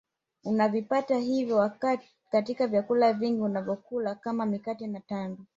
Unavipata hivyo katika vyakula vingi unavyokula kama mikate na tambi